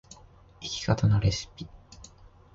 生き方のレシピ